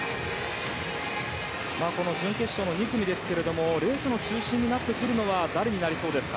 この準決勝の２組ですけれどもレースの中心になるのは誰になりそうですか。